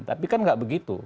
tapi kan nggak begitu